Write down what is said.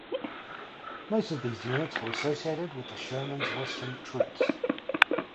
Most of these units were associated with Sherman's Western Troops.